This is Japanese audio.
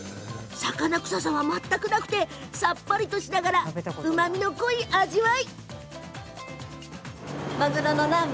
魚臭さは全くなくさっぱりとしながらうまみの濃い味わい。